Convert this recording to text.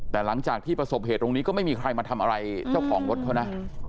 แต่หลังจากที่ประสบเหตุตรงนี้ก็ไม่มีใครมาทำอะไรเจ้าของรถเขานะ